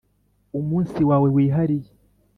umunsi wawe wihariye,